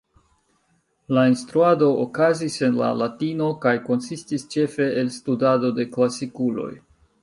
La instruado okazis en la latino kaj konsistis ĉefe el studado de klasikuloj.